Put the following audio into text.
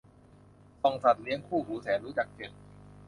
ส่องสัตว์เลี้ยงคู่หูแสนรู้ จาก เจ็ด